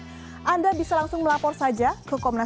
kemudian anda bisa mencari informasi terbaru tentang kekerasan